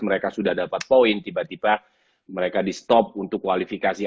mereka sudah dapat poin tiba tiba mereka di stop untuk kualifikasi